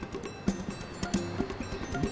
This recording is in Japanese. うん？